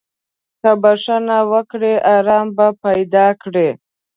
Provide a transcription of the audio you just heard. که بخښنه وکړې، ارام به پیدا کړې.